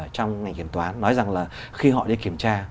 trong ngành kiểm toán nói rằng là khi họ đi kiểm tra